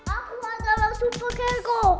aku adalah super keko